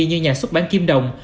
như nhà xuất bản kim đồng